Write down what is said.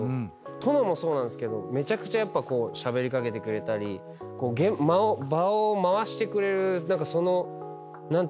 殿もそうですけどめちゃくちゃしゃべりかけてくれたり場を回してくれる何かその何ていうんだろうな。